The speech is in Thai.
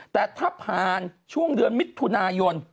แต่ถ้าผ่านช่วงเดือนมิถุนายน